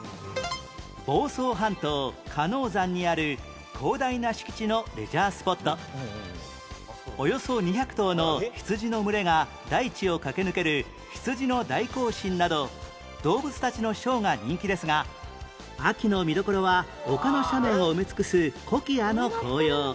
房総半島鹿野山にあるおよそ２００頭の羊の群れが大地を駆け抜ける「ひつじの大行進」など動物たちのショーが人気ですが秋の見どころは丘の斜面を埋め尽くすコキアの紅葉